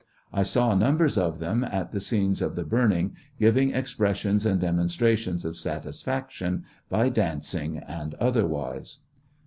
I saw nunlbers of them at the scenes of the burning, giving expressions and demonstrations of satisfaction by dancing and otherwise.